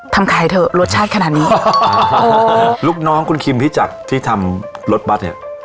ทำขายเถอะรสชาติขนาดนี้ลูกน้องคุณคิมพี่จักรที่ทำรถบัตรเนี่ย